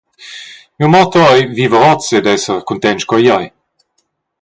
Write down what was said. Miu motto ei viver oz ed esser cuntenza sco igl ei.